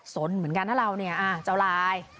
สนเหมือนกันนะเราเนี่ยเจ้าลาย